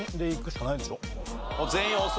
全員押す？